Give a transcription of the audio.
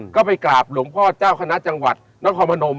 ก็ไปกราบหลวงพ่อเจ้าคณะจังหวัดนครพนม